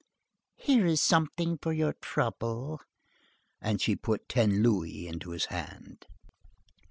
'" "Here is something for your trouble." And she put ten louis into his hand.